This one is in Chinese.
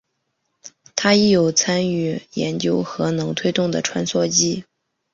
他亦有参与研究核能推动的穿梭机。